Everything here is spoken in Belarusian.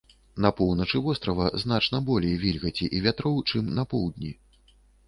На поўначы вострава значна болей вільгаці і вятроў, чым на поўдні.